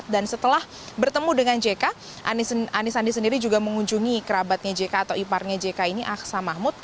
dan setelah bertemu dengan jk anies sandi sendiri juga mengunjungi kerabatnya jk atau iparnya jk ini aksa mahmud